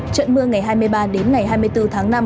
trận mưa ngày hai mươi ba đến ngày hai mươi bốn tháng năm